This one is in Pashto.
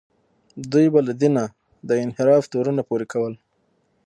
دوی به له دینه د انحراف تورونه پورې کول.